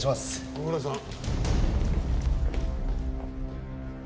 ご苦労さん。